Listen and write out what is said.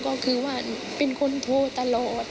ก็คือว่าเป็นคนโทรตลอด